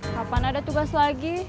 kapan ada tugas lagi